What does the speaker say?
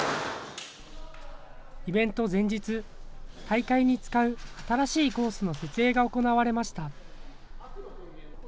イベント前日、大会に使う新しいコースの設営が行われました。